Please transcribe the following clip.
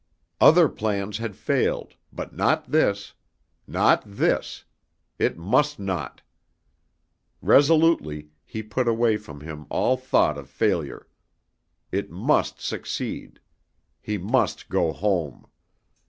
Other plans had failed, but not this. Not this! It must not! Resolutely he put away from him all thought of failure. It must succeed. He must go home!